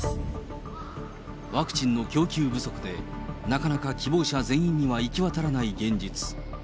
ワクチンの供給不足で、なかなか希望者全員には行き渡らない現実。